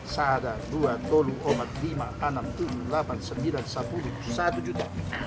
satu dua tiga lima enam tujuh lapan sembilan sepuluh satu juta